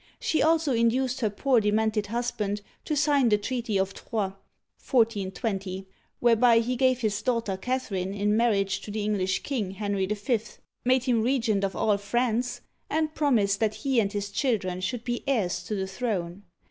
She also induced her poor demented husband to sign the treaty of Troyes(trwa, 1420), whereby he gave his daughter Cather ine in marriage to the English king, Henry V., made him regent of all France, and promised that he and his chil dren should be heirs to the throne.